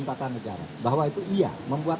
tata negara bahwa itu iya membuat